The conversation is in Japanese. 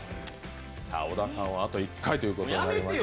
小田さんはあと一回ということになりました。